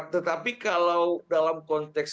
tetapi kalau dalam konteks